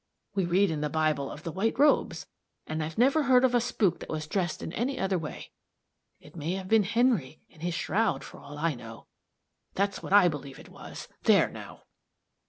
We read in the Bible of the white robes and I've never heard of a spook that was dressed in any other way. It may have been Henry in his shroud, for all I know that's what I believe it was there now!"